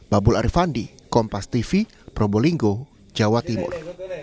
babul arifandi kompas tv probolinggo jawa timur